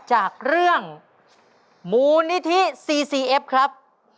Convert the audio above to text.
จากเรื่องมูณทิสีสีเอฟครับ